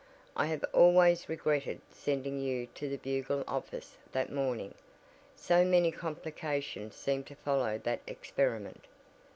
I have always regretted sending you to the Bugle office that morning, so many complications seemed to follow that experiment.